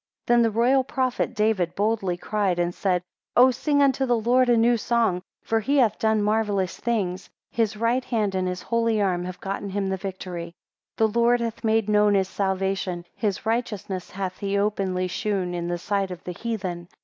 13 Then the royal prophet, David, boldly cried, and said, O sing unto the Lord a new song, for he hath done marvellous things; his right hand and his holy arm have gotten him the victory. 14 The Lord hath made known his salvation, his righteousness hath he openly shewn in the sight of the heathen.